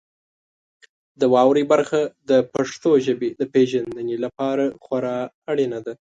د واورئ برخه د پښتو ژبې د پیژندنې لپاره خورا اړینه ده.